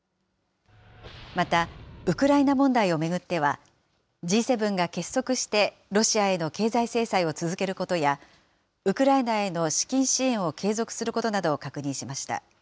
また、ウクライナ問題を巡っては、Ｇ７が結束してロシアへの経済制裁を続けることや、ウクライナへの資金支援を継続することなどを確認しました。